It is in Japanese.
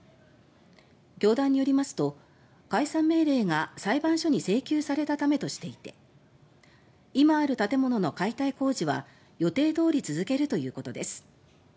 教団によりますと解散命令が、裁判所に請求されたためとしていて今ある建物の解体工事は予定どおり続けるということです。